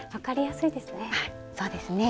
そうですね。